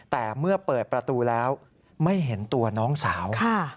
แต่เมื่อเปิดประตูแล้วไม่เห็นตัวน้องสาว